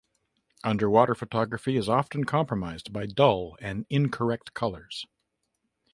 Underwater photography is often compromised by dull and incorrect colours.